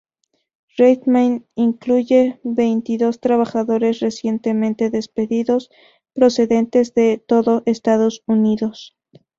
Reitman incluye veintidós trabajadores recientemente despedidos procedentes de todo Estados Unidos.